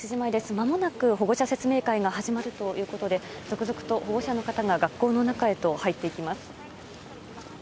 まもなく保護者説明会が始まるということで、続々と保護者の方が学校の中へと入っていきます。